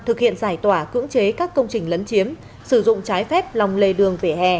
thực hiện giải tỏa cưỡng chế các công trình lấn chiếm sử dụng trái phép lòng lề đường vỉa hè